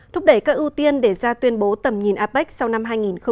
thúc đẩy các ưu tiên để ra tuyên bố tầm nhìn apec sau năm hai nghìn hai mươi